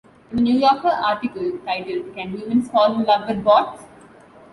In a New Yorker article titled Can Humans Fall in Love with Bots?